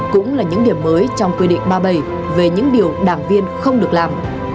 cũng là những điểm mới trong quy định ba mươi bảy về những điều đảng viên không được làm